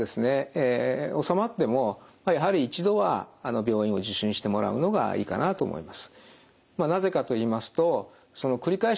おさまってもやはり一度は病院を受診してもらうのがいいかなと思います。